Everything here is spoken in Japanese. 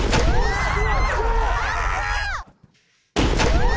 うわ！